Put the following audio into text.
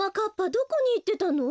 どこにいってたの？